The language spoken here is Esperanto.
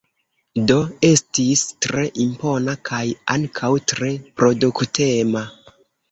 Do estis tre impona kaj ankaŭ tre produktema.